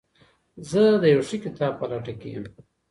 زه د یو ښه کتاب په لټه کي یم.